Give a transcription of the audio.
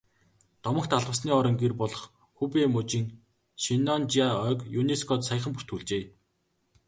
Домогт алмасны орон гэр болох Хубэй мужийн Шеннонжиа ойг ЮНЕСКО-д саяхан бүртгүүлжээ.